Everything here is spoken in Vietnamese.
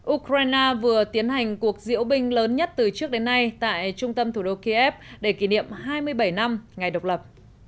ukraine vừa tiến hành cuộc diễu binh lớn nhất từ trước đến nay tại trung tâm thủ đô kiev để kỷ niệm hai mươi bảy năm ngày độc lập